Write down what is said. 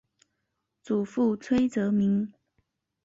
祖父崔则明。